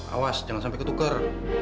awas jangan sampe ketuker